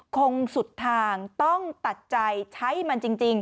คงสุดทางต้องตัดใจใช้มันจริง